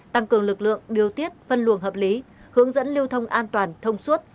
tăng cường lực lượng điều tiết phân luồng hợp lý hướng dẫn lưu thông an toàn thông suốt